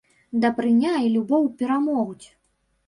Дабрыня і любоў перамогуць!